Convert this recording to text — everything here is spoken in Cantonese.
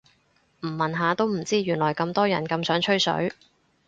唔問下都唔知原來咁多人咁想吹水